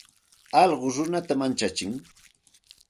Alluqu runata manchatsin.